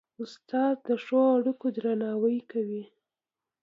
استاد د ښو اړيکو درناوی کوي.